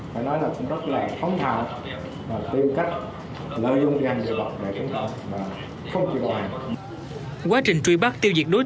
và chuyển thành các lựa án phát minh lên phương án truy bắt đối tượng